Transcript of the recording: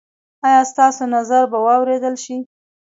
ایا ستاسو نظر به واوریدل شي؟